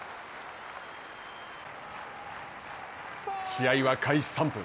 試合は開始３分。